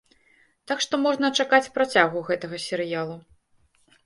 Так што можна чакаць працягу гэтага серыялу.